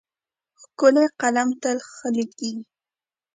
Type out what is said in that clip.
ښکلی قلم تل ښه لیکي.